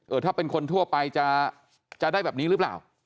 ถ้าเป็นคนทั่วไปจะได้แบบนี้หรือเปล่า